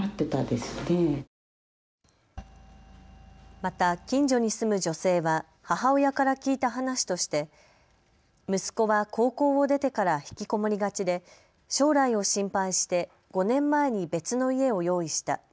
また近所に住む女性は母親から聞いた話として息子は高校を出てから引きこもりがちで将来を心配して５年前に別の家を用意した。